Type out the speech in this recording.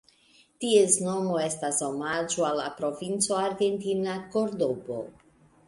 Ties nomo estas omaĝo al la provinco argentina Kordobo.